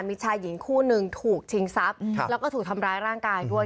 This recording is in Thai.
มีชายหญิงคู่หนึ่งถูกชิงทรัพย์แล้วก็ถูกทำร้ายร่างกายด้วย